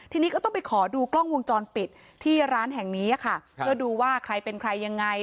ทีนี้ก็ต้องไปขอดูกล้องวงจรปิดที่ร้านแห่งนี้ค่ะเพื่อดูว่าใครเป็นใครยังไง